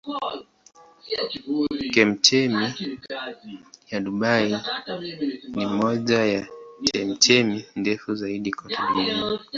Chemchemi ya Dubai ni moja ya chemchemi ndefu zaidi kote duniani.